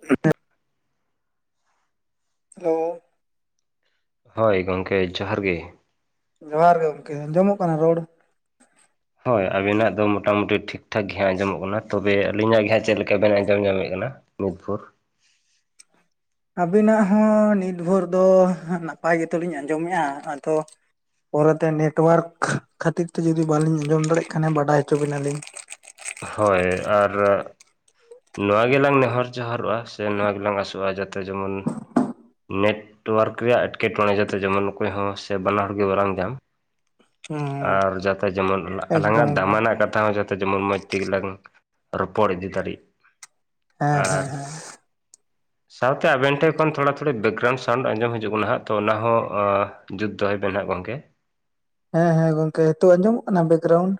[unintelligible] Hello. ᱦᱳᱭ ᱜᱚᱝᱠᱮ ᱡᱚᱦᱟᱨ ᱜᱮ ᱡᱚᱦᱟᱨ ᱜᱮ ᱜᱚᱝᱠᱮ ᱟᱸᱡᱚᱢᱚᱜ ᱠᱟᱱᱟ ᱨᱚᱲ? ᱦᱳᱭ ᱟᱵᱤᱱᱟᱜ ᱫᱚ ᱢᱚᱴᱟ ᱢᱩᱴᱤ ᱴᱷᱤᱠ ᱴᱷᱟᱠ ᱜᱮ ᱦᱟᱸᱜ ᱟᱸᱡᱚᱢᱚᱜ ᱠᱟᱱᱟ᱾ ᱛᱚᱵᱮ ᱟᱹᱞᱤᱧᱟᱜ ᱜᱮ ᱦᱟᱸᱜ ᱪᱮᱫ ᱞᱮᱠᱟ ᱵᱮᱱ ᱟᱸᱡᱚᱢ ᱧᱟᱢᱮᱫ ᱠᱟᱱᱟ? ᱱᱤᱫ ᱵᱷᱩᱨ ᱟᱹᱵᱤᱱᱟᱜ ᱦᱚᱸ ᱱᱤᱛ ᱵᱷᱳᱨ ᱫᱚ ᱱᱟᱯᱟᱭ ᱜᱮᱛᱚᱞᱤᱧ ᱟᱸᱡᱚᱢᱮᱫᱼᱟ ᱟᱫᱚ ᱯᱟᱨᱮᱛᱮ ᱱᱮᱴᱚᱣᱟᱨᱠ ᱠᱷᱟᱹᱛᱤᱨ ᱡᱩᱫᱤ ᱵᱟᱞᱤᱧ ᱟᱸᱡᱚᱢ ᱫᱟᱲᱮᱭᱟᱜ ᱠᱷᱟᱱ ᱵᱟᱰᱟᱭ ᱦᱚᱪᱚ ᱵᱤᱱᱟᱞᱤᱧ ᱦᱳᱭ ᱟᱨ ᱱᱚᱣᱟ ᱜᱮᱞᱟᱝ ᱱᱮᱦᱚᱨ ᱡᱚᱦᱟᱨᱚᱜᱼᱟ᱾ ᱥᱮ ᱱᱚᱣᱟ ᱜᱮᱞᱟᱝ ᱟᱥᱚᱜᱼᱟ ᱡᱟᱛᱮ ᱡᱮᱢᱚᱱ ᱱᱮᱴᱚᱣᱟᱨᱠ ᱨᱮᱭᱟᱜ ᱮᱸᱴᱠᱮᱴᱚᱬᱮ ᱡᱟᱛᱮ ᱡᱮᱢᱚᱱ ᱚᱠᱚᱭ ᱦᱚᱸ ᱥᱮ ᱵᱟᱱᱟ ᱦᱚᱲ ᱜᱮ ᱵᱟᱝ ᱧᱟᱢ [inaudible] ᱟᱨ ᱡᱟᱛᱮ ᱡᱮᱢᱚᱱ ᱮᱠᱫᱚᱢ ᱟᱞᱟᱝᱟᱜ ᱮᱠᱫᱚᱢ ᱫᱟᱢᱟᱱᱟᱜ ᱠᱟᱛᱷᱟ ᱦᱚᱸ ᱡᱟᱛᱮ ᱡᱮᱢᱚᱱ ᱢᱚᱡᱽ ᱛᱮᱜᱮ ᱞᱟᱝ ᱨᱚᱯᱚᱲ ᱤᱫᱤ ᱫᱟᱲᱤᱜ ᱦᱮᱸ ᱦᱮᱸ ᱟᱨ ᱦᱮᱸ [inaudible] ᱥᱟᱶᱛᱮ ᱟᱵᱮᱱ ᱴᱷᱮᱱ ᱠᱷᱚᱱ ᱛᱷᱚᱲᱟ ᱛᱷᱚᱲᱤ ᱵᱮᱠᱜᱨᱟᱣᱩᱱᱰ ᱥᱟᱣᱩᱱᱰ ᱟᱸᱡᱚᱢ ᱦᱤᱡᱩᱜ ᱠᱟᱱᱟ ᱦᱟᱜ ᱛᱚ ᱚᱱᱟ ᱦᱚᱸ ᱡᱩᱛ ᱫᱚᱦᱚᱭ ᱵᱮᱱ ᱦᱟᱸᱜ ᱜᱚᱝᱠᱮ ᱦᱮᱸ ᱦᱮᱸ ᱜᱚᱝᱠᱮ ᱦᱤᱛᱚ ᱟᱸᱡᱚ ᱢᱚᱜ ᱠᱟᱱᱟ ᱵᱮᱠᱜᱨᱟᱣᱩᱱᱰ?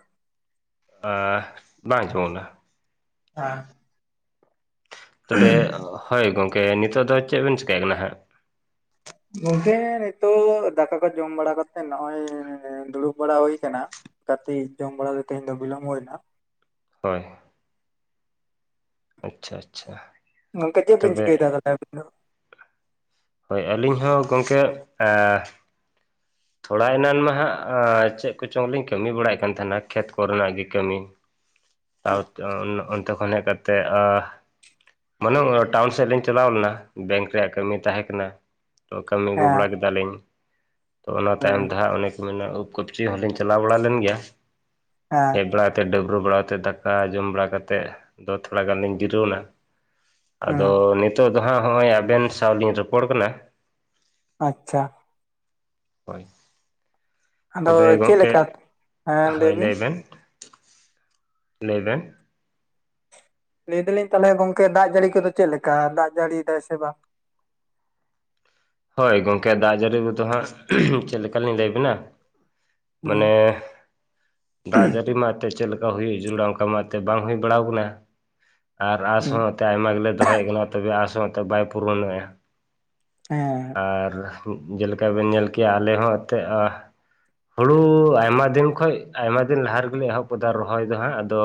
ᱟ ᱵᱟᱝ ᱟᱡᱚᱢᱱᱟ᱾ [unintelligible] ᱛᱚᱵᱮ ᱦᱳᱭ ᱜᱚᱝᱠᱮ ᱱᱤᱛᱳᱜ ᱫᱚ ᱪᱮᱫ ᱵᱮᱤᱱ ᱪᱮᱠᱟᱹᱭ ᱠᱟᱱᱟ ᱦᱟᱸᱜ? ᱜᱚᱝᱠᱮ ᱱᱤᱛᱚᱜ ᱫᱟᱠᱟ ᱠᱚ ᱡᱚᱢ ᱵᱟᱲᱟ ᱠᱟᱛᱮᱜ ᱱᱚᱼᱚᱭ ᱫᱩᱲᱩᱵ ᱵᱟᱲᱟ ᱦᱩᱭ ᱟᱠᱟᱱᱟ‍᱾ ᱠᱟᱴᱤᱡ ᱡᱚᱢ ᱵᱟᱲᱟ ᱛᱮᱦᱮᱧ ᱫᱚ ᱵᱤᱞᱚᱢᱵ ᱦᱩᱭᱮᱱᱟ ᱦᱳᱭ᱾ ᱟᱪᱪᱷᱟ ᱟᱪᱪᱷᱟ᱾ ᱜᱚᱝᱠᱮ ᱪᱮᱫ ᱵᱤᱱ ᱪᱤᱠᱟᱹᱭ ᱛᱚᱵᱮ ᱛᱟᱦᱚᱞᱮ ᱟᱵᱤᱱ ᱫᱚ? ᱦᱳᱭ ᱟᱹᱞᱤᱧ ᱦᱚᱸ ᱜᱚᱝᱠᱮ ᱟᱻ ᱛᱷᱚᱲᱟ ᱮᱱᱟᱱ ᱢᱟ ᱦᱟᱸᱜ ᱟᱻᱪᱮᱫ ᱠᱚᱪᱚᱝᱞᱤᱧ ᱠᱟᱹᱢᱤ ᱵᱟᱲᱟᱭᱮᱫ ᱠᱟᱱ ᱛᱟᱦᱮᱱᱟ ᱠᱷᱮᱛ ᱠᱚᱨᱮᱱᱟᱜ ᱜᱮ ᱠᱟᱹᱢᱤ᱾ [inaudible] [unintelligible] ᱚᱱᱛᱮ ᱠᱷᱚᱱ ᱦᱮᱡ ᱠᱟᱛᱮᱫ ᱢᱟᱱᱮ ᱚᱱᱟ ᱴᱟᱣᱩᱱ ᱥᱮᱫ ᱞᱤᱧ ᱪᱟᱞᱟᱣ ᱞᱮᱱᱟ ᱵᱮᱝᱠ ᱨᱮᱭᱟᱜ ᱠᱟᱹᱢᱤ ᱛᱟᱦᱮᱸ ᱠᱟᱱᱟ᱾ ᱛᱚ ᱠᱟᱹᱢᱤ ᱟᱹᱜᱩ ᱦᱮᱸ ᱵᱟᱲᱟ ᱠᱮᱫᱟᱞᱤᱧ᱾ ᱛᱚ ᱚᱱᱟ ᱛᱟᱭᱚᱢ ᱡᱟᱦᱟ ᱫᱚ ᱦᱟᱸᱜ ᱚᱱᱮ ᱠᱚ ᱢᱮᱱᱟ ᱩᱵ ᱠᱚᱯᱪᱤ ᱦᱚᱸᱞᱤᱧ ᱪᱟᱞᱟᱣ ᱵᱟᱲᱟ ᱞᱮᱱ ᱜᱮᱭᱟ ᱦᱮᱸ ᱦᱮᱡ ᱵᱟᱲᱟ ᱛ ᱰᱟᱹᱵᱨᱟᱣ ᱵᱟᱲᱟ ᱠᱟᱛᱮᱫ ᱫᱟᱠᱟ ᱡᱚᱢ ᱵᱟᱲᱟ ᱠᱟᱛᱮᱫ ᱫᱚ ᱛᱷᱚᱲᱟ ᱜᱟᱱ ᱞᱤᱧ ᱡᱤᱨᱟᱹᱣ ᱮᱱᱟ᱾ ᱦᱮᱸ ᱟᱫᱚ ᱱᱤᱛᱳᱜ ᱫᱚ ᱦᱟᱸᱜ ᱦᱚᱸᱜᱼᱚᱭ ᱟᱵᱮᱱ ᱥᱟᱶᱞᱤᱧ ᱨᱚᱯᱚᱲ ᱠᱟᱱᱟ᱾ ᱟᱪᱪᱷᱟ ᱾ ᱦᱳᱭ ᱟᱫᱚ ᱛᱚᱵᱮ ᱪᱮᱫ ᱜᱚᱜᱠᱮ ᱞᱮᱠᱟ? ᱦᱮᱸ ᱦᱳᱭ ᱵᱤᱱ ᱞᱟᱹᱭ ᱵᱮᱱ ᱞᱟᱹᱭ ᱵᱮᱱ ᱞᱟᱹᱭ ᱫᱟᱞᱤᱧ ᱛᱟᱦᱚᱞᱮ ᱜᱚᱝᱠᱮ ᱫᱟᱜ ᱡᱟᱹᱲᱤ ᱠᱚᱫᱚ ᱪᱮᱫ ᱞᱮᱠᱟ ᱫᱟᱜ ᱡᱟᱹᱲᱤᱭ ᱫᱟᱭ ᱥᱮ ᱵᱟᱝ? ᱦᱳᱭ ᱜᱚᱝᱠᱮ ᱫᱟᱜ ᱡᱟᱹᱲᱤ ᱨᱮᱫᱚ ᱦᱟᱸᱜ ᱪᱮᱫ ᱞᱮᱠᱟ ᱞᱤᱧ ᱞᱟᱹᱭ ᱟᱵᱮᱱᱟ ᱦᱩᱸ ᱢᱟᱱᱮ ᱫᱟᱜ ᱡᱟᱹᱨᱤ ᱢᱟ ᱮᱱᱛᱮᱫ ᱪᱮᱫ ᱞᱮᱠᱟ ᱦᱩᱭᱩᱜᱼᱟ᱾ ᱡᱩᱞᱲᱟ ᱢᱟ ᱮᱱᱛᱮᱫ ᱵᱟᱝ ᱦᱩᱭ ᱵᱟᱲᱟᱣ ᱟᱠᱟᱱᱟ᱾ ᱟᱨ ᱟᱸᱥ ᱦᱩᱸ ᱦᱚᱸᱚᱸ ᱛᱮ ᱟᱭᱢᱟ ᱜᱮᱞᱮ ᱫᱚᱦᱚᱭᱮᱫ ᱠᱟᱱᱟ ᱛᱚᱵᱮ ᱟᱥᱚᱸ ᱮᱱᱛᱮ ᱵᱟᱭ ᱯᱩᱨᱚᱱᱚᱜᱼᱟ᱾ ᱦᱮᱸ ᱟᱨ ᱡᱮᱞᱮᱠᱟ ᱵᱮᱱ ᱧᱮᱞ ᱠᱮᱜᱟ ᱟᱞᱮ ᱦᱚᱸ ᱮᱱᱛᱮᱫ ᱦᱩᱲᱩ ᱟᱭᱢᱟ ᱫᱤᱱ ᱠᱷᱚᱱᱚᱡ ᱟᱭᱢᱟ ᱫᱤᱱ ᱞᱟᱦᱟ ᱨᱮᱜᱮ ᱞᱮ‌ ᱮᱦᱚᱵ ᱠᱟᱫᱟ ᱨᱚᱦᱚᱭ ᱫᱚ ᱦᱟᱸᱜ ᱟᱫᱚ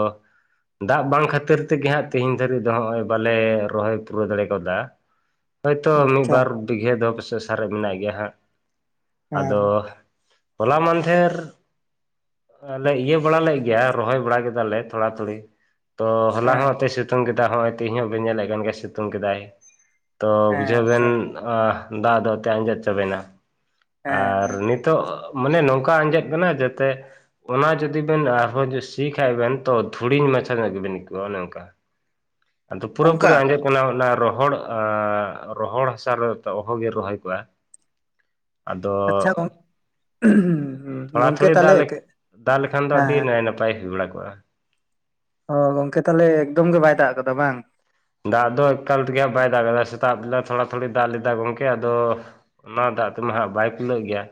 ᱫᱟᱜ ᱵᱟᱝ ᱠᱷᱟᱹᱛᱤᱨ ᱛᱮᱜᱮ ᱦᱟᱸᱜ ᱛᱮᱤᱦᱤᱧ ᱫᱷᱟᱹᱨᱤᱡ ᱫᱚ ᱦᱚᱜᱼᱚᱭ ᱵᱟᱞᱮ ᱨᱚᱦᱚᱭ ᱯᱩᱨᱟᱹᱣ ᱫᱟᱲᱮ ᱠᱟᱣᱫᱟ᱾ [inaudible] ᱦᱳᱭᱛᱳ ᱢᱤᱷ, ᱟᱪᱪᱷᱟ ᱵᱟᱨ ᱵᱤᱜᱷᱟᱹ ᱫᱚ ᱯᱟᱥᱮᱜ ᱥᱟᱨᱮ ᱢᱮᱱᱟᱜ ᱜᱮᱭᱟ ᱦᱟᱸᱜ ᱦᱮᱸ ᱟᱫᱚ ᱦᱚᱞᱟ ᱢᱟᱱᱫᱷᱮᱨ ᱟᱞᱮ ᱤᱭᱟᱹ ᱵᱟᱲᱟ ᱞᱮᱫ ᱜᱮᱭᱟ ᱨᱚᱦᱚᱭ ᱵᱟᱲᱟ ᱠᱮᱫᱟᱞ ᱞᱮ ᱛᱷᱚᱲᱟ ᱛᱷᱩᱚᱲᱤ᱾ ᱛᱚ ᱦᱚᱞᱟ ᱦᱚᱸ ᱦᱮᱸ ᱮᱛᱚᱭ ᱥᱤᱛᱩᱝ ᱠᱮᱫᱟᱭ ᱦᱚᱸᱜᱼᱚᱭ ᱛᱮ ᱤᱧ ᱦᱚᱸ ᱵᱟᱹᱧ ᱧᱮᱞᱮᱫ ᱠᱟᱱ ᱜᱮᱭᱟ ᱥᱤᱛᱩᱝ ᱠᱮᱫᱟᱭ᱾ ᱛᱚ ᱦᱮᱸ ᱵᱩᱡᱷᱟᱹᱣ ᱵᱮᱱ ᱟᱪᱪᱷᱟ ᱫᱟᱜ ᱫᱚ ᱮᱱᱛᱮᱫ ᱟᱸᱡᱮᱫ ᱪᱟᱵᱮᱱᱟ᱾ ᱦᱮᱸ ᱟᱨ ᱦᱮᱸ ᱱᱤᱛ ᱛᱚᱜ ᱱᱤᱛᱚᱜ ᱢᱟᱱᱮ ᱱᱚᱝᱠᱟ ᱟᱸᱡᱮᱫ ᱠᱟᱱᱟ ᱡᱟᱛᱮ ᱚᱱᱟ ᱡᱩᱫᱤ ᱵᱮᱱ ᱟᱨᱦᱚᱸᱫ ᱥᱤ ᱠᱷᱟᱱᱡ ᱵᱮᱱ ᱛᱚ ᱫᱷᱩᱲᱤᱧ ᱢᱟᱪᱷᱟ ᱧᱚᱜ ᱜᱮᱵᱮᱱ ᱟᱹᱭᱠᱟᱹᱟᱹᱜᱣᱟ ᱚᱱᱮ ᱚᱱᱠᱟ᱾ ᱟᱫᱚ ᱯᱩᱨᱟᱹ ᱚᱱᱠᱟ ᱯᱩᱨᱤ ᱟᱸᱡᱮᱫ ᱠᱟᱱᱟ ᱚᱱᱟ ᱨᱚᱦᱚᱲ ᱟᱻ ᱨᱚᱦᱚᱲ ᱦᱟᱥᱟ ᱚᱦᱚᱜᱮ ᱨᱚᱦᱚᱭ ᱠᱚᱜᱼᱟ᱾ ᱟᱫᱚ ᱟᱪᱪᱷᱟ ᱜᱚᱝ ᱛᱷᱚᱲᱟ ᱜᱚᱝᱠᱮ ᱛᱷᱩᱲᱤ ᱛᱟᱦᱚᱞᱮ ᱫᱟᱜ, ᱦᱮᱸ ᱫᱟᱜ ᱞᱮᱠᱷᱟᱱ ᱫᱚ ᱟᱹᱰᱤ ᱦᱮᱸ ᱱᱟᱭ ᱱᱟᱯᱟᱭ ᱦᱩᱭ ᱵᱟᱲᱟ ᱠᱚᱜᱼᱟ᱾ ᱚ ᱜᱚᱝᱠᱮ ᱛᱟᱦᱟᱞᱮ ᱮᱠᱫᱚᱢ ᱜᱮ ᱵᱟᱭ ᱫᱟᱜ ᱟᱠᱟᱫᱟ ᱵᱟᱝ? ᱫᱟᱜ ᱫᱚ ᱮᱠᱟᱞ ᱛᱮᱜᱮᱟᱸᱜ ᱵᱟᱭ ᱫᱟᱜ ᱠᱟᱫᱟ ᱥᱮᱛᱟᱜ ᱵᱮᱞᱟ ᱛᱷᱚᱲᱟ ᱛᱷᱚᱲᱤ ᱫᱟᱜ ᱞᱮᱫᱟ ᱜᱚᱢᱠᱮ ᱟᱫᱚ ᱚᱱᱟ ᱫᱟᱜ ᱛᱮᱢᱟ ᱦᱟᱸᱜ ᱵᱟᱭ ᱯᱷᱩᱞᱟᱹᱜ ᱜᱮᱭᱟ᱾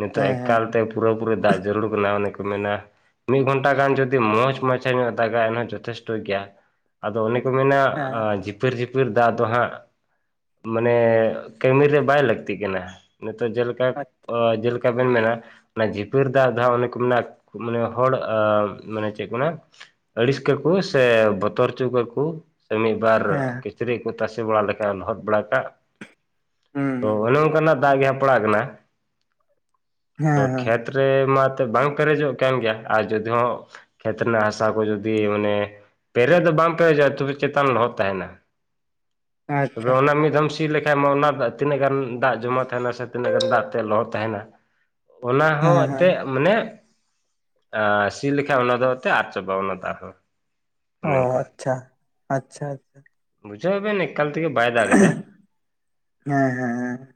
ᱱᱤᱛᱚᱜ ᱦᱮᱸ ᱦᱮᱸ ᱮᱠᱟᱞᱛᱮ ᱯᱩᱨᱟᱹᱯᱩᱨᱩᱨᱤ ᱫᱟᱜ ᱡᱟᱹᱨᱩᱲ ᱠᱟᱱᱟ ᱚᱱᱮ ᱠᱚ ᱢᱮᱱᱟ ᱢᱤᱫ ᱜᱷᱚᱱᱴᱟ ᱜᱟᱱ ᱡᱩᱫᱤ ᱢᱚᱡᱽ ᱢᱟᱪᱷᱟ ᱧᱚᱜ ᱫᱟᱜᱟ ᱮᱱᱦᱚᱸ ᱡᱚᱛᱷᱮᱥᱴᱚ ᱜᱮᱭᱟ ᱟᱫᱚ ᱚᱱ ᱠᱚ ᱢᱮᱱᱟ ᱦᱮᱸ ᱡᱷᱤᱯᱤᱨ ᱡᱷᱤᱯᱟᱹᱨ ᱫᱟᱜ ᱫᱚ ᱦᱟᱸᱜ ᱢᱟᱱᱮ ᱠᱟᱹᱢᱤᱨᱮ ᱵᱟᱭ ᱞᱟᱹᱠᱛᱤᱜ ᱠᱟᱱᱟ ᱱᱤᱛᱚᱜ ᱡᱮᱞᱮᱠᱟ ᱚ ᱡᱮᱞᱮᱠᱟ ᱵᱮᱱ ᱢᱮᱱᱟ ᱚᱱᱟ ᱡᱷᱤᱯᱟᱹᱨ ᱫᱟᱜ ᱫᱚᱜ ᱚᱱᱮ ᱠᱚ ᱢᱮᱱᱟᱜ, ᱢᱟᱱᱮ ᱦᱚᱲ ᱢᱟᱱᱮ ᱪᱮᱫ ᱠᱚ ᱢᱮ ᱟᱹᱲᱤᱥ ᱠᱟᱠᱚ ᱥᱮ ᱵᱚᱛᱚᱨ ᱚᱪᱚ ᱠᱟᱠᱚ ᱥᱮ ᱢᱤᱫᱵᱟᱨ ᱦᱮᱸ ᱠᱤᱪᱨᱤᱡ ᱠᱚ ᱛᱟᱥᱮ ᱵᱟᱲᱟ ᱞᱮᱠᱷᱟᱱ ᱞᱚᱦᱚᱫ ᱵᱟᱲᱟ ᱠᱟᱜ᱾ ᱦᱩᱸ ᱛᱚ ᱦᱩᱸ ᱚᱱᱮ ᱚᱱᱠᱟᱱᱟᱜ ᱫᱟᱜ ᱜᱮ ᱦᱟᱸᱜ ᱯᱟᱲᱟᱜ ᱠᱟᱱᱟ ᱦᱮᱸ ᱟᱫᱚ ᱦᱮᱸ ᱠᱷᱮᱛ ᱨᱮ ᱢᱟ ᱮᱱᱛ ᱵᱟᱝ ᱯᱮᱨᱮᱡᱚᱜ ᱠᱟᱱ ᱜᱮᱭᱟ᱾ ᱟᱨ ᱡᱩᱫᱤ ᱦᱚᱸ ᱠᱷᱮᱛ ᱨᱮᱱᱟᱜ ᱦᱟᱥᱟ ᱠᱚ ᱡᱚᱫᱤ ᱢᱟᱱᱮ, ᱯᱮᱨᱮ ᱫᱚ ᱵᱟᱝᱢ ᱯᱮᱨᱮᱡᱚᱜᱼᱟ ᱛᱚᱵᱮ ᱪᱮᱛᱟᱱ ᱞᱚᱦᱚᱫ ᱛᱟᱦᱮᱱᱟ᱾ ᱛᱚᱵᱮ ᱟᱪᱪᱷᱟ ᱚᱱᱟ ᱢᱤᱫ ᱫᱷᱟᱢ ᱥᱤ ᱞᱠᱷ ᱮᱱᱠᱷᱟᱱᱡ ᱢᱟ ᱚᱱᱟ ᱛᱤᱱᱟᱹᱜ ᱜᱟᱱ ᱫᱟᱜ ᱡᱚᱢᱟ ᱛᱟᱦᱮᱱᱟ ᱥᱮ ᱛᱤᱱᱟᱹᱜ ᱜᱟᱱ ᱫᱟᱜ ᱛᱮ ᱞᱚᱦᱚᱫ ᱛᱟᱦᱮᱱᱟ᱾ ᱚᱱᱟ ᱦᱚᱸ ᱦᱮᱸ ᱦᱮᱸ ᱮᱱᱛᱮᱫ ᱢᱟᱱᱮ ᱥᱤ ᱞᱮᱠᱷᱟ ᱚᱱᱟ ᱫᱚ ᱮᱛ ᱟᱫ ᱪᱟᱵᱟ ᱚᱱᱟ ᱫᱚ ᱟᱨᱦᱚᱸ᱾ ᱚ ᱟᱪᱷᱟ ᱟᱪᱷᱟ ᱟᱪᱷᱟ᱾ ᱵᱩᱡᱷᱟᱹᱣ ᱵᱮᱱ ᱮᱠᱟᱞ ᱛᱮᱜᱮ ᱵᱟᱭ ᱫᱟᱜ ᱟᱠᱟᱫᱟ᱾ ᱦᱮᱸ ᱦᱮᱸ ᱦᱮᱸ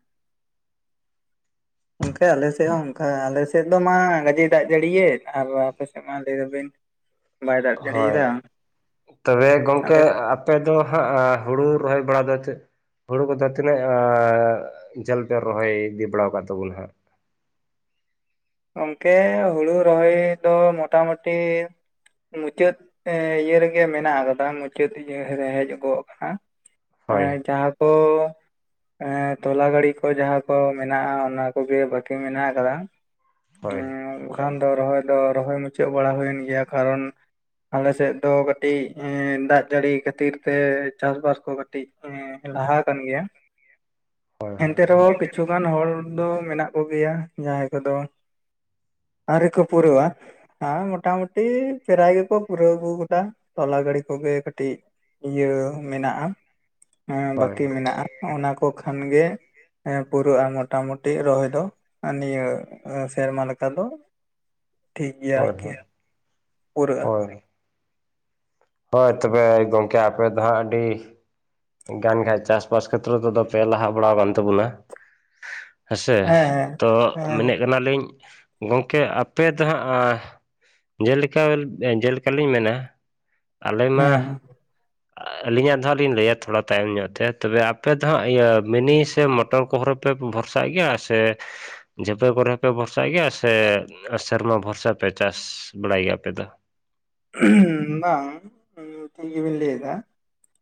ᱚᱝᱠᱮ ᱟᱞᱮᱥᱮᱫ ᱦᱚᱸ ᱚᱱᱠᱟ ᱟᱞᱮᱥᱮᱫ ᱫᱚ ᱢᱟ ᱜᱟᱹᱡᱮ ᱫᱟᱜ ᱡᱟᱹᱲᱤᱭᱮᱫ ᱟᱨ ᱟᱯᱮᱥᱮᱫ ᱢᱟ ᱞᱟᱹᱭ ᱫᱟᱵᱤᱱ [unintelligible] ᱦᱳᱭ ᱡᱟᱹᱲᱤᱭᱮᱫᱟ ᱾ ᱛᱚᱵᱮ ᱜᱚᱝᱠᱮ ᱟᱞᱮ ᱟᱯᱮ ᱫᱚ ᱦᱟᱸᱜ ᱦᱳᱲᱳ ᱨᱚᱦᱚᱭ ᱵᱟᱲᱟ ᱫᱚ ᱪᱮᱫ ᱦᱳᱲᱳ ᱠᱚᱫᱚ ᱛᱤᱱᱟᱹᱜ ᱡᱷᱟᱹᱞ ᱯᱮ ᱨᱚᱦᱚᱭ ᱤᱫᱤ ᱵᱟᱲᱟ ᱟᱠᱟᱫ ᱛᱟᱵᱚᱱᱟ ᱦᱟᱸᱜ? ᱜᱚᱝᱠᱮ, ᱦᱳᱲᱳ ᱨᱚᱦᱚᱭ ᱫᱚ ᱢᱚᱴᱟᱢᱩᱴᱤ ᱢᱩᱪᱟᱹᱫ ᱤᱭᱟᱹ ᱨᱮᱜᱮ ᱢᱮᱱᱟᱜ ᱟᱠᱟᱫᱟ, ᱢᱩᱪᱟᱹᱫ ᱤᱭᱟᱹ ᱨᱮ ᱦᱮᱡ ᱜᱚᱜ ᱟᱠᱟᱱᱟ ᱾ ᱮ ᱦᱳᱭ ᱡᱟᱦᱟᱸ ᱠᱚ ᱮᱸ ᱛᱚᱞᱟ ᱜᱟᱹᱲᱤ ᱠᱚ ᱡᱟᱦᱟᱸ ᱠᱚ ᱢᱮᱱᱟᱜᱼᱟ ᱚᱱᱟ ᱠᱚᱜᱮ ᱵᱟᱠᱤ ᱢᱮᱱᱟᱜ ᱟᱠᱟᱫᱟ ᱾ ᱦᱳᱭ ᱾ ᱵᱟᱠᱷᱟᱱ ᱫᱚ ᱨᱚᱦᱚᱭ ᱫᱚ ᱨᱚᱦᱚᱭ ᱢᱩᱪᱟᱹᱫ ᱵᱟᱲᱟ ᱦᱩᱭᱮᱱ ᱜᱮᱭᱟ, ᱠᱟᱨᱚᱱ ᱟᱞᱮ ᱥᱮᱫ ᱫᱚ ᱠᱟᱹᱴᱤᱡ ᱫᱟᱜ ᱡᱟᱹᱲᱤ ᱠᱷᱟᱹᱛᱤᱨ ᱛᱮ ᱪᱟᱥ ᱵᱟᱥ ᱠᱚ ᱠᱟᱹᱴᱤᱡ ᱦᱮᱸ᱾ ᱞᱟᱦᱟ ᱠᱟᱱ ᱜᱮᱭᱟ ᱾ ᱦᱳᱭ ᱦᱳᱭ ᱮᱱᱛᱮ ᱨᱮᱦᱚᱸ ᱠᱤᱪᱷᱩ ᱜᱟᱱ ᱦᱚᱲ ᱫᱚ ᱢᱮᱱᱟᱜ ᱠᱚᱜᱮᱭᱟ, ᱡᱟᱦᱟᱸᱭ ᱠᱚᱫᱚ ᱟᱹᱣᱨᱤ ᱠᱚ ᱯᱩᱨᱩᱣᱟ ᱾ ᱦᱮᱸ, ᱢᱚᱴᱟ ᱢᱩᱴᱤ ᱯᱮᱨᱟᱭ ᱜᱮᱠᱚ ᱯᱩᱨᱟᱹᱣ ᱟᱹᱜᱩ ᱟᱠᱟᱫᱟ, ᱛᱚᱞᱟ ᱜᱟᱹᱲᱤ ᱠᱚᱜᱮ ᱠᱟᱹᱴᱤᱡ ᱤᱭᱟᱹ ᱢᱮᱱᱟᱜ-ᱟ, ᱮᱸ ᱵᱟᱹᱠᱤ ᱦᱳᱭ ᱢᱮᱱᱟᱜ-ᱟ᱾ ᱚᱱᱟ ᱠᱚ ᱠᱷᱟᱱ ᱜᱮ ᱮ ᱯᱩᱨᱟᱹᱜ-ᱟ, ᱢᱚᱴᱟ ᱢᱳᱴᱤ ᱨᱚᱦᱚᱭ ᱫᱚ, ᱱᱤᱭᱟᱹ ᱥᱮᱨᱢᱟ ᱞᱮᱠᱟ ᱫᱚ ᱴᱷᱤᱠ ᱜᱮᱭᱟ ᱟᱨᱠᱤ ᱦᱳᱭ ᱯᱩᱨᱟᱹᱜ-ᱟ ᱾ ᱦᱳᱭ ᱦᱳᱭ ᱛᱚᱵᱮ ᱜᱚᱝᱠᱮ ᱟᱯᱮ ᱫᱚ ᱦᱟᱸᱟᱜ ᱟᱹᱰᱤ ᱜᱟᱱ ᱠᱷᱟᱡ ᱪᱟᱥᱵᱟᱥ ᱠᱷᱮᱛᱨᱮ ᱛᱮᱫᱚ ᱯᱮ ᱞᱟᱦᱟ ᱵᱟᱲᱟ ᱟᱠᱟᱱ ᱛᱟᱵᱚᱱᱟ ᱾ ᱦᱮᱸᱥᱮ? ᱦᱮᱸ ᱦᱮᱸ ᱛᱚ ᱢᱮᱱᱮᱜ ᱠᱟᱱᱟ ᱞᱤᱧ ᱜᱚᱝᱠᱮ ᱟᱯᱮ ᱛᱚ ᱦᱟᱸᱜ ᱮᱸ ᱡᱮᱞᱮᱠᱟ ᱡᱮᱞᱮᱠᱟ ᱞᱤᱧ ᱢᱮᱱᱟ ᱟᱞᱮ ᱢᱟ, ᱦᱮᱸ ᱟᱹᱞᱤᱧᱟᱜ ᱫᱚ ᱦᱟᱸᱜ ᱞᱤᱧ ᱞᱟᱹᱭᱟ ᱛᱷᱚᱲᱟ ᱛᱟᱭᱚᱢ ᱧᱚᱜ ᱛᱮ, ᱛᱚᱵᱮ ᱟᱯᱮ ᱫᱚ ᱦᱟᱸᱜ ᱤᱭᱟᱹ ᱢᱤᱱᱤ ᱥᱮ ᱢᱚᱴᱚᱨ ᱠᱚᱦᱚᱸᱨ ᱯᱮ ᱵᱷᱚᱨᱥᱟᱜ ᱜᱮᱭᱟ ᱥᱮ ᱡᱟᱹᱯᱮ ᱯᱚᱨᱮ ᱦᱚᱸ ᱯᱮ ᱵᱷᱚᱨᱥᱟᱜ ᱜᱮᱭᱟ ᱥᱮ ᱥᱮᱨᱢᱟ ᱵᱷᱚᱨᱥᱟ ᱯᱮ ᱪᱟᱥ ᱵᱟᱲᱟᱭ ᱜᱮᱭᱟ ᱟᱯᱮ ᱫᱚ? ᱦᱩᱸᱻ ᱵᱟᱝ ᱴᱷᱤᱠ ᱜᱮᱵᱮᱱ ᱞᱟᱹᱭ ᱫᱟ ᱾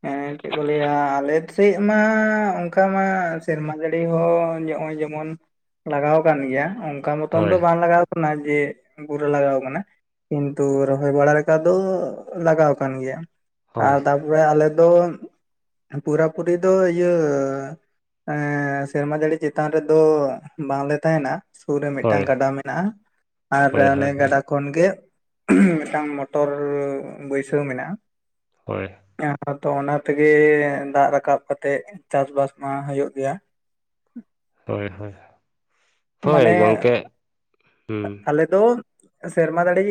ᱦᱮᱸ ᱪᱮᱫ ᱠᱚ ᱞᱟᱹᱭᱟ ᱟᱞᱮᱥᱮᱫ ᱢᱟ ᱚᱱᱠᱟ ᱢᱟ ᱥᱮᱨᱢᱟ ᱡᱟᱹᱲᱤ ᱦᱚᱸ ᱦᱚᱸᱜ-ᱚᱭ ᱡᱮᱢᱚ ᱢᱚᱱ ᱞᱟᱜᱟᱣ ᱟᱠᱟᱱ ᱜᱮᱭᱟ, ᱚᱝ ᱠᱟᱱ ᱢᱚᱛᱚᱱ ᱫᱚ ᱦᱳᱭ ᱵᱟᱝ ᱞᱟᱜᱟᱣ ᱠᱟᱱᱟ ᱡᱮ ᱯᱩᱨᱟᱹ ᱞᱟᱜᱟᱣ ᱠᱟᱱᱟ ᱾ ᱠᱤᱱᱛᱩ ᱨᱚᱦᱚᱭ ᱵᱟᱲᱟ [unintelligible] ᱫᱚ ᱞᱟᱜᱟᱣ ᱠᱟᱱ ᱜᱮᱭᱟ ᱦᱳᱭ ᱟᱨ ᱛᱟᱨᱚᱨᱮ ᱟᱞᱮ ᱫᱚ ᱯᱩᱨᱟᱹ ᱯᱩᱨᱤ ᱫᱚ ᱤᱭᱟᱹ ᱮᱸᱻ ᱥᱮᱨᱢᱟ ᱡᱟᱹᱲᱤ ᱪᱮᱛᱟᱱ ᱨᱮᱫᱚ ᱵᱟᱝᱞᱮ ᱛᱟᱦᱮᱱᱟ ᱾ ᱥᱩᱨ ᱨᱮ ᱢᱤᱫᱴᱟᱝ ᱦᱳᱭ ᱜᱟᱰᱟ ᱢᱮᱱᱟᱜ-ᱟ ᱟᱨ ᱦᱳᱭ ᱚᱱᱮ ᱦᱳᱭ ᱜᱟᱰᱟ ᱠᱷᱚᱱ ᱜᱮ ᱢᱤᱫᱴᱟᱝ ᱢᱚ ᱴᱚᱨᱻ ᱵᱟᱹᱭᱥᱟᱹᱣ ᱢᱮᱱᱟᱜ-ᱟ ᱾ ᱦᱳᱭ ᱾ ᱮᱸ ᱟᱫᱚ ᱚᱱᱟ ᱛᱮᱜᱮ ᱫᱟᱜ ᱨᱟᱠᱟᱵ ᱠᱟᱛᱮ ᱪᱟᱥᱵᱟᱥ ᱢᱟ ᱦᱩᱭᱩᱜ ᱜᱮᱭᱟ ᱾ ᱦᱳᱭ ᱦᱳᱭ ᱾ ᱢᱟᱱᱮ ᱦᱩᱸ ᱟᱞᱮ ᱫᱚ ᱥᱮᱨᱢᱟ ᱡᱟᱹᱲᱤ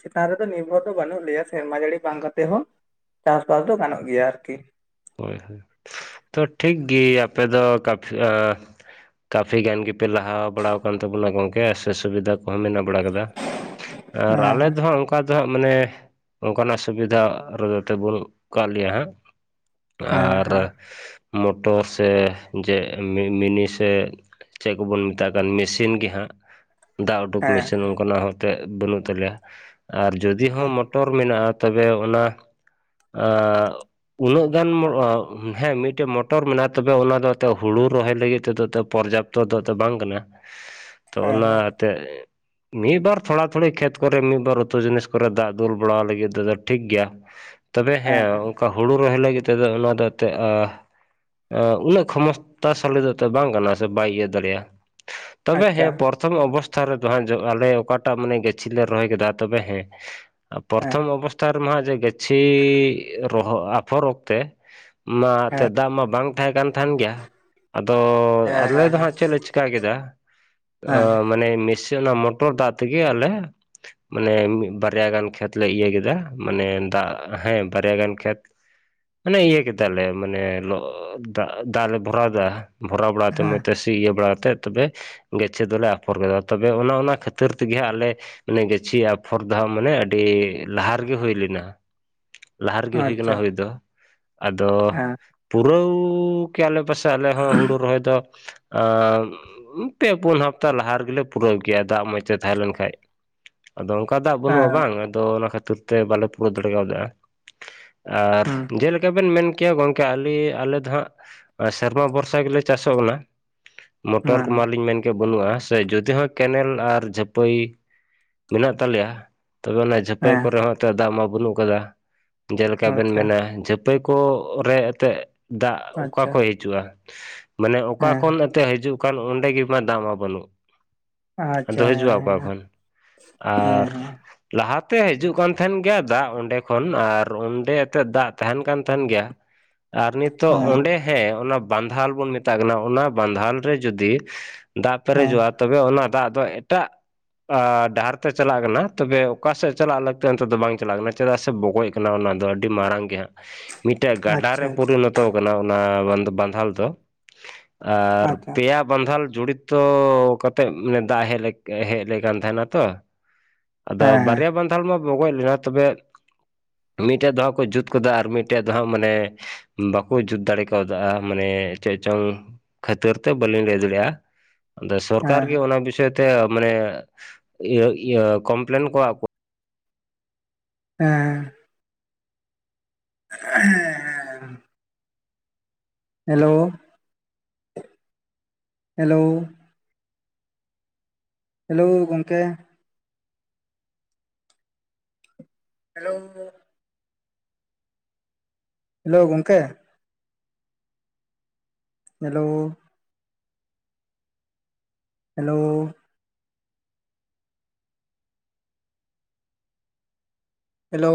ᱪᱮᱛᱟᱱ ᱨᱮᱫᱚ ᱱᱤᱨᱵᱷᱚᱨ ᱫᱚ ᱵᱟᱹᱱᱩᱜ ᱞᱮᱭᱟ ᱥᱮᱨᱢᱟ ᱫᱟᱹᱲᱤ ᱵᱟᱝ ᱠᱟᱛᱮ ᱦᱚᱸ ᱪᱟᱥᱵᱟᱥ ᱫᱚ ᱜᱟᱱᱚᱜ ᱜᱮᱭᱟ ᱟᱨᱠᱤ᱾ ᱦᱳᱭ ᱦᱳᱭ, ᱛᱚ ᱴᱷᱤᱠ ᱜᱮ ᱟᱯᱮ ᱫᱚ ᱠᱟᱯᱷᱤ ᱮᱸ ᱠᱟᱯᱷᱤ ᱜᱟᱱ ᱜᱮ ᱯᱮ ᱞᱟᱦᱟ ᱵᱟᱲᱟᱣᱟ ᱟᱠᱟᱱ ᱛᱟᱵᱚᱱᱟ ᱜᱚᱝᱠᱮ ᱥᱮ ᱥᱩᱵᱤᱫᱟ ᱠᱚᱦᱚᱸ ᱢᱮᱱᱟᱜ ᱵᱟᱲᱟ ᱠᱟᱫᱟ ᱟᱨ ᱟᱞᱮ ᱦᱮᱸ ᱫᱚ ᱦᱟᱸᱜ ᱚᱝ ᱚᱝᱠᱟ ᱫᱚ ᱦᱟᱸᱜ ᱢᱟᱱᱮ ᱚᱱᱠᱟ ᱱᱟᱜ ᱥᱩᱵᱤᱫᱷᱟ ᱨᱳᱨᱳᱛᱮᱵᱚᱱ ᱟᱠᱟᱜ ᱞᱮᱭᱟ ᱦᱟᱸᱜ ᱾ ᱦᱮᱸ ᱟᱨ ᱦᱮᱸ ᱢᱚᱴᱚᱨ ᱥᱮ ᱡᱮ ᱢᱤ-ᱢᱤᱱᱤ ᱥᱮ ᱪᱮᱜ ᱠᱚᱵᱚᱱ ᱢᱮᱛᱟᱜ ᱠᱟᱱ ᱢᱮᱥᱤᱱ ᱜᱮ ᱦᱟᱸᱜ ᱫᱟᱜ ᱩᱰᱩᱠ ᱦᱮᱸ ᱦᱮᱸ ᱢᱮᱥᱤᱱ ᱚᱱᱠᱟᱱᱟᱜ ᱦᱚᱛᱮᱜ ᱵᱟᱹᱱᱩᱜ ᱛᱟᱞᱮᱭᱟ ᱟᱨ ᱡᱩᱫᱤ ᱦᱚᱸ ᱢᱚᱴᱚᱨ ᱢᱮᱱᱟᱜ-ᱟ ᱛᱚᱵᱮ ᱚᱱᱟ ᱮᱸ ᱩᱱᱟᱹᱜ ᱜᱟᱱ ᱦᱮᱸ ᱢᱤᱫᱴᱮᱡ ᱢᱚᱴᱚᱨ ᱢᱮᱱᱟᱜ-ᱟ, ᱛᱚᱵᱮ ᱚᱱᱟ ᱫᱚ ᱛᱚ ᱦᱩᱲᱩ ᱨᱚᱦᱚᱭ ᱞᱟᱹᱜᱤᱫ ᱛᱮᱫᱚ ᱛᱮ ᱯᱚᱨᱡᱟᱯ ᱛᱚ ᱫᱷᱚᱛᱮ ᱵᱟᱝ ᱠᱟᱱᱟ ᱛᱚ ᱦᱮᱸ ᱦᱮᱸ ᱚᱱᱟ ᱦᱮᱸ ᱮᱛᱮ ᱢᱤᱫ ᱵᱟᱨ ᱛᱷᱚᱲᱤ ᱠᱷᱮᱛ ᱠᱚᱨᱮ ᱢᱤᱫ ᱵᱟᱨ ᱩᱛᱩ ᱡᱤᱱᱤᱥ ᱠᱚᱨᱮ ᱫᱟᱜ ᱫᱩᱞ ᱵᱟᱲᱟᱣ ᱞᱟᱹᱜᱤᱫᱚ ᱴᱷᱤᱠ ᱜᱮᱭᱟ᱾ ᱛᱚᱵᱮ ᱦᱮᱸ ᱚᱝᱠᱟ ᱦᱩᱲᱩ ᱨᱚᱦᱚᱭ ᱞᱟᱹᱜᱤᱫ ᱛᱮᱫᱚ ᱚᱱᱟ ᱫᱚ ᱛᱮᱜ ᱟᱸ ᱩᱱᱟᱹᱜ ᱠᱷᱚᱢᱚᱥᱛᱟ ᱥᱟᱞᱤ ᱫᱚ ᱛᱚ ᱵᱟᱝ ᱠᱟᱱᱟ ᱥᱮ ᱵᱟᱭ ᱤᱭᱟᱹ ᱫᱟᱲᱮᱭᱟᱜ-ᱟ, ᱛᱚᱵᱮ ᱟᱪᱪᱷᱟ ᱦᱮᱸ ᱯᱚᱨ ᱯᱨᱚᱛᱷᱚᱢ ᱚᱵᱚᱥᱛᱷᱟ ᱨᱮ ᱫᱚ ᱦᱟᱸᱜ ᱟᱞᱮ ᱚᱠᱟᱴᱟᱜ ᱢᱟᱱᱮ ᱜᱟᱹᱪᱷᱤ ᱞᱮ ᱨᱚᱦᱚᱭ ᱠᱮᱫᱟ ᱛᱚᱵᱮ ᱦᱮᱸ ᱦᱮᱸ ᱯᱨᱚᱛᱷᱚᱢ ᱚᱵᱚᱥᱛᱷᱟ ᱨᱮᱢᱟᱦᱟᱸᱜ ᱡᱮ ᱜᱟᱹᱪᱷᱤ ᱨᱚᱦᱚ ᱟᱯᱷᱚᱨ ᱚᱠᱛᱮ ᱚᱱᱟ ᱛᱮ ᱦᱮᱸ ᱫᱟᱜ ᱢᱟ ᱵᱟᱝ ᱛᱟᱦᱮᱸ ᱠᱟᱱ ᱛᱟᱦᱮᱱ ᱜᱮᱭᱟ ᱟᱫᱚ ᱦᱮᱸ ᱦᱮᱸ ᱟᱞᱮ ᱫᱚ ᱦᱮᱸ ᱦᱮᱸ ᱦᱟᱸᱜ ᱪᱮᱫ ᱞᱮ ᱪᱤᱠᱟ ᱠᱮᱫᱟ, ᱦᱮᱸ ᱮᱸ ᱢᱟᱱᱮ ᱢᱮᱥ ᱪᱮᱜ ᱚᱱᱟ ᱢᱚᱴᱚᱨ ᱫᱟᱜ ᱛᱮᱜᱮ ᱟᱞᱮ ᱢᱟᱱᱮ ᱢᱤᱜ ᱵᱟᱨᱭᱟ ᱜᱟᱱ ᱠᱷᱮᱛ ᱞᱮ ᱤᱭᱟᱹ ᱠᱮᱫᱟ ᱢᱟᱱᱮ ᱫᱟᱜ ᱦᱮᱸ ᱵᱟᱨᱭᱟ ᱜᱟᱱ ᱠᱷᱮᱛ ᱢᱟᱱᱮ ᱤᱭᱟᱹ ᱠᱮᱫᱟᱞᱮ ᱢᱟᱱᱮ ᱞᱚ ᱫᱟᱜ ᱫᱟᱜ ᱞᱮ ᱵᱷᱚᱨᱟᱣ ᱮᱫᱟ ᱵᱷᱚᱨᱟᱣ ᱵᱟᱲᱟᱛᱮ ᱢᱚᱸᱡ ᱛᱮ ᱤᱭᱟᱹ ᱵᱟᱲᱟᱛᱮᱫ ᱛᱚᱵᱮ ᱜᱮᱪᱷᱮ ᱫᱚᱞᱮ ᱟᱯᱷᱚᱨ ᱠᱮᱫᱟ ᱛᱚᱵᱮ ᱚᱱᱟ ᱚᱱᱟ ᱠᱷᱟᱹᱛᱤᱨ ᱛᱮᱜᱮ ᱟᱞᱮ ᱟᱱᱮ ᱟᱯᱷᱚᱨ ᱫᱷᱚ ᱢᱟᱱᱮ ᱟᱹᱰᱤ ᱞᱟᱦᱟ ᱨᱮᱜᱮ ᱦᱩᱭ ᱞᱮᱱᱟ᱾ ᱞᱟᱦᱟ ᱨᱮᱜᱮ ᱦᱩᱭ ᱠᱟᱱᱟ ᱟᱪᱪᱷᱟ ᱦᱩᱭ ᱫᱚ ᱟᱫᱚ ᱦᱮᱸ ᱯᱩᱨᱟᱹᱣ ᱠᱤ ᱟᱞᱮ ᱯᱟᱥᱮ ᱟᱞᱮ ᱦᱚᱸ ᱦᱩᱲᱩ ᱨᱚᱦᱚᱭ ᱫᱚ ᱟᱻᱢ ᱯᱮ ᱯᱩᱱ ᱦᱟᱯᱛᱟ ᱞᱟᱦᱟ ᱨᱮᱜᱮ ᱯᱩᱨᱟᱹᱣ ᱜᱮᱭᱟ ᱫᱟᱜ ᱢᱚᱸᱡᱽ ᱛᱮ ᱛᱟᱦᱮᱸ ᱞᱮᱱᱠᱟᱡ᱾ ᱟᱫᱚ ᱚᱱᱠᱟ ᱫᱟᱜ ᱵᱟᱹᱱᱩᱜᱼᱟ ᱦᱮᱸ ᱵᱟᱝ ᱟᱫᱚ ᱚᱱᱟ ᱠᱷᱟᱹᱛᱤᱨ ᱛᱮ ᱵᱟᱞᱮ ᱯᱩᱨᱟᱹᱣ ᱫᱟᱲᱮ ᱠᱟᱣᱫᱟ᱾ ᱟᱨ ᱦᱩᱸ ᱡᱮᱞᱮᱠᱟ ᱵᱮᱱ ᱢᱮᱱ ᱠᱮᱭᱟ ᱜᱚᱢᱠᱮ ᱟᱞᱮ ᱟᱞᱮ ᱫᱚ ᱦᱟᱸᱜ ᱟᱨ ᱥᱮᱨᱢᱟ ᱵᱷᱚᱨᱥᱟ ᱜᱮᱞᱮ ᱪᱟᱥᱚᱜ ᱠᱟᱱᱟ ᱢᱚᱴᱚᱨ ᱦᱮᱸ ᱠᱚᱢᱟᱞᱤᱧ ᱢᱮᱱ ᱠᱮᱫ ᱜᱮ ᱵᱟᱹᱱᱩᱜᱼᱟ ᱥᱮ ᱡᱩᱫᱤ ᱦᱚᱸ ᱠᱮᱱᱮᱞ ᱟᱨ ᱡᱷᱟᱹᱯᱟᱹᱭ ᱢᱮᱱᱟᱜ ᱛᱟᱞᱮᱭᱟ ᱛᱚᱵᱮ ᱚᱱᱟ ᱡᱟᱹᱯᱟᱹᱭ ᱦᱮᱸ ᱠᱚᱨᱮ ᱦᱚᱸ ᱮᱛᱮᱜ ᱫᱟᱜ ᱢᱟ ᱵᱟᱹᱱᱩᱜ ᱠᱟᱫᱟ ᱡᱮᱞᱮᱠᱟ ᱵᱮᱱ ᱟᱪᱪᱷᱟ ᱢᱮᱱᱟ ᱡᱟᱹᱯᱟᱹᱭ ᱠᱚ ᱨᱮ ᱮᱛᱮᱜ ᱫᱟᱜ ᱚᱠᱟ ᱟᱪᱪᱷᱟ ᱠᱷᱚᱡ ᱦᱤᱡᱩᱜᱼᱟ? ᱢᱟᱱᱮ ᱚᱠᱟ ᱦᱮᱸ ᱠᱷᱚᱱ ᱮᱛᱮ ᱦᱤᱡᱩᱜ ᱠᱟᱱ ᱚᱸᱰᱮ ᱜᱮᱢᱟ ᱫᱟᱜ ᱢᱟ ᱵᱟᱹᱱᱩᱜ᱾ ᱟᱫᱚ ᱟᱪᱪᱷᱟ ᱦᱮᱸ ᱦᱤᱡᱩᱜᱼᱟ ᱠᱚ ᱦᱮᱸ ᱠᱷᱚᱱ ᱟᱨ ᱦᱮᱸ ᱞᱟᱦᱟᱛᱮ ᱦᱤᱡᱩᱜ ᱠᱟᱱ ᱛᱟᱦᱮᱱ ᱜᱮᱭᱟ ᱫᱟᱜ ᱚᱸᱰᱮ ᱠᱷᱚᱱ ᱟᱨ ᱚᱸᱰᱮ ᱮᱛᱮᱜ ᱫᱟᱜ ᱛᱟᱦᱮᱸᱱ ᱠᱟᱱ ᱛᱟᱦᱮᱸᱱ ᱜᱮᱭᱟ ᱟᱨ ᱱᱤᱛᱚᱜ ᱦᱮᱸ ᱚᱸᱰᱮ ᱦᱮᱸ ᱚᱱᱟ ᱵᱟᱸᱫᱷᱟᱞ ᱵᱚᱱ ᱢᱮᱛᱟᱜ ᱠᱟᱱᱟ ᱚᱱᱟ ᱵᱟᱸᱫᱷᱟᱞ ᱨᱮ ᱡᱩᱫᱤ ᱫᱟᱜ ᱦᱮᱸ ᱯᱮᱨᱮᱡᱚᱜᱼᱟ ᱛᱚᱵᱮ ᱚᱱᱟ ᱫᱟᱜ ᱫᱚ ᱮᱴᱟᱜ ᱟᱨ ᱰᱟᱦᱟᱨ ᱛᱮ ᱪᱟᱞᱟᱜ ᱠᱟᱱᱟ ᱛᱚᱵᱮ ᱚᱠᱟ ᱥᱮᱫ ᱪᱟᱞᱟᱜ ᱞᱟᱹᱠᱛᱤ ᱚᱱᱛᱮ ᱫᱚ ᱵᱟᱝ ᱪᱟᱞᱟᱜ ᱠᱟᱱᱟ ᱪᱮᱫᱟᱜ ᱥᱮ ᱵᱚᱜᱚᱡ ᱟᱱᱟ ᱚᱱᱟ ᱫᱚ ᱟᱹᱰᱤ ᱢᱟᱨᱟᱝ ᱜᱮ ᱦᱟᱸᱜ ᱢᱤᱫᱴᱮᱡ ᱜᱟᱰᱟᱨᱮ ᱟᱪᱪᱷᱟ ᱯᱚᱨᱤᱱᱚᱛᱚ ᱠᱟᱱᱟ ᱚᱱᱟ ᱵᱟᱱᱫᱚ ᱵᱟᱸᱫᱷᱟᱞ ᱫᱚ᱾ ᱟᱨ ᱟᱪᱪᱷᱟ ᱯᱮᱭᱟ᱾ ᱵᱟᱸᱫᱷᱟᱞ ᱡᱚᱲᱤᱛᱚ ᱠᱟᱛᱮᱫ ᱢᱟᱱᱮ ᱫᱟᱜ ᱦᱮᱡ ᱞᱮ ᱦᱮᱡ ᱞᱮᱱ ᱠᱟᱱ ᱛᱟᱦᱮᱱᱟ ᱛᱚ᱾ ᱟᱫᱚ ᱦᱮᱸ ᱵᱟᱨᱭᱟ ᱵᱟᱸᱫᱷᱟᱲ ᱢᱟ ᱵᱚᱜᱚᱡ ᱞᱮᱱᱟ ᱛᱚᱵᱮ ᱢᱤᱫᱴᱮᱡ ᱫᱚ ᱦᱟᱸᱜ ᱠᱚ ᱡᱩᱛ ᱩᱱᱠᱩ ᱫᱚ ᱟᱨ ᱢᱤᱫᱴᱮᱡ ᱫᱚ ᱦᱟᱸᱜ ᱢᱟᱱᱮ ᱵᱟᱠᱚ ᱡᱩᱛ ᱫᱟᱲᱮ ᱠᱟᱣᱫᱟ ᱢᱟᱱᱮ ᱪᱮᱫ ᱪᱚᱝ ᱠᱷᱛᱤᱨ ᱛᱨ ᱵᱥᱞᱤᱣ ᱞᱟᱹᱭ ᱫᱟᱲᱮᱭᱟᱜ-ᱟ᱾ ᱟᱫᱚ ᱥᱚᱨᱠᱟᱨ ᱜᱮ ᱦᱮᱸ ᱚᱱᱟ ᱵᱤᱥᱚᱭ ᱛᱮ ᱤᱭᱟᱹ ᱤᱭᱟᱹ ᱢᱟᱱᱮ ᱠᱚᱢᱯᱞᱮᱱ ᱠᱚᱣᱟ ᱠᱚ᱾ ᱦᱮᱸ᱾ ᱦᱮᱸ᱾ ᱦᱮᱞᱳᱻ ᱦᱮᱞᱳ ᱦᱮᱞᱳᱻ ᱜᱚᱢᱠᱮ᱾ ᱦᱮᱞᱳᱻ ᱦᱮᱞᱳ ᱜᱚᱢᱠᱮ? Hello hello hello